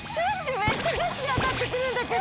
めっちゃガチであたってくるんだけど！